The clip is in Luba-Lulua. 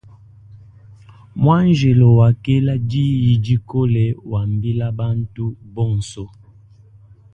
Muanjelo wakela diyi dikole wambila bantu bonso.